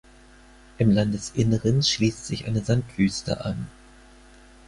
Im Landesinneren schließt sich eine Sandwüste an.